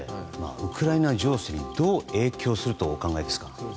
ウクライナ情勢にどう影響するとお考えですか。